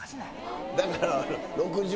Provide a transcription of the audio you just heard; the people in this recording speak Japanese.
だから。